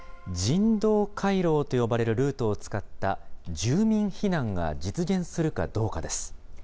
人道回廊と呼ばれるルートを使った住民避難が実現するかどうかです。